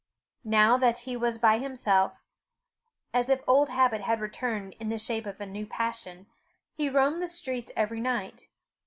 Now that he was by himself, as if old habit had returned in the shape of new passion, he roamed the streets every night.